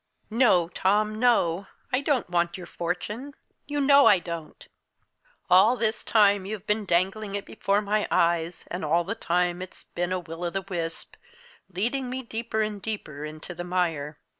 "No, Tom, no! I don't want your fortune. You know I don't! All this time you've been dangling it before my eyes, and all the time it's been a will o' the wisp, leading me deeper and deeper into the mire.